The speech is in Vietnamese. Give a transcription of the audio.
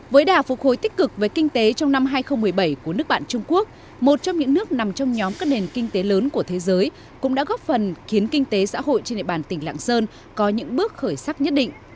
với đà phục hồi tích cực với kinh tế trong năm hai nghìn một mươi bảy của nước bạn trung quốc một trong những nước nằm trong nhóm các nền kinh tế lớn của thế giới cũng đã góp phần khiến kinh tế xã hội trên địa bàn tỉnh lạng sơn có những bước khởi sắc nhất định